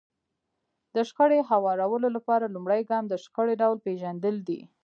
د شخړې هوارولو لپاره لومړی ګام د شخړې ډول پېژندل دي.